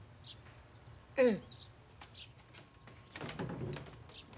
うん。